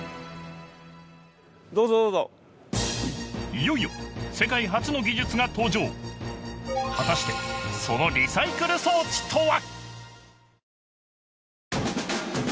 どうぞどうぞいよいよ世界初の技術が登場はたしてその「リサイクル装置」とは？